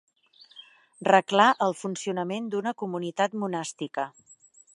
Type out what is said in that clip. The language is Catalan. Reglar el funcionament d'una comunitat monàstica.